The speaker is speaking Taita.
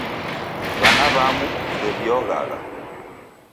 W'ana w'amu ndew'ioghagha